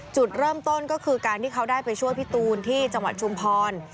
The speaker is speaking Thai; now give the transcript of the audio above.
จุดเริ่มต้นก็คือการที่เขาได้ไปช่วยพี่ตูนที่จังหวัดชุมพร